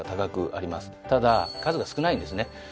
ただ数が少ないんですね。